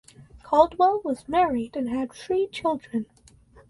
Caldwell was married and had three children.